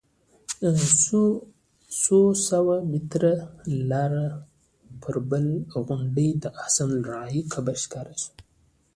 څو سوه متره لرې پر بله غونډۍ د حسن الراعي قبر ښکاره شو.